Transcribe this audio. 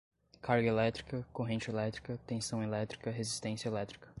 carga elétrica, corrente elétrica, tensão elétrica, resistência elétrica